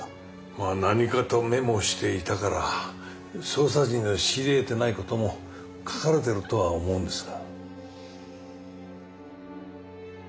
まあ何かとメモしていたから捜査陣の知り得てないことも書かれてるとは思うんですが。